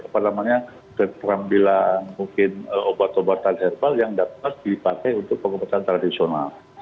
pertamanya terambil mungkin obat obatan herbal yang dapat dipakai untuk pengobatan tradisional